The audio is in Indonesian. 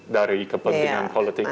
dari kepentingan politik